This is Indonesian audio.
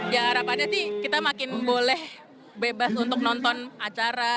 ya harapannya sih kita makin boleh bebas untuk nonton acara